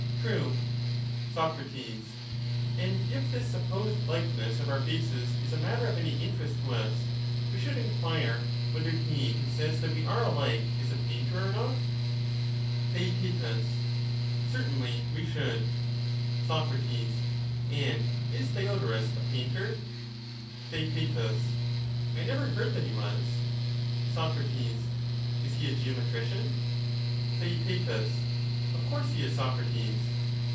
True. Soc, And if this supposed likeness of our faces is a matter of any interest to us, we should enquire whether he who says that we are alike is a painter or not ? Theaet. Certainly we should. Soc, And is Theodorus a painter ? Theaet. I never heard that he was. Soc. Is he a geometrician ? Theaet, Of course he is, Socrates.